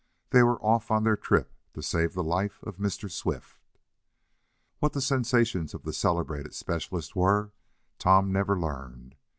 They were off on their trip to save the life of Mr. Swift. What the sensations of the celebrated specialist were, Tom never learned.